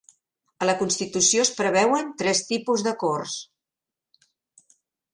A la Constitució es preveuen tres tipus de Corts: